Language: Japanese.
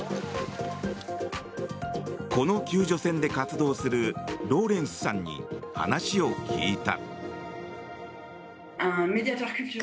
この救助船で活動するローレンスさんに話を聞いた。